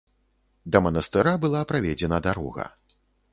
Да манастыра была праведзена дарога.